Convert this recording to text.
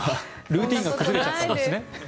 ルーティンが崩れちゃったんですね。